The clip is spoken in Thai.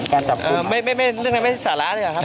ข้าวท่านลบไม่เสาระเลยหรอครับ